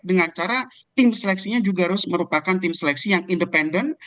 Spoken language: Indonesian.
dengan cara tim seleksinya juga harus merupakan tim seleksi yang independen